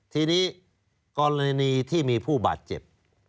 ทีนี้กรณีที่มีผู้บาดเจ็บ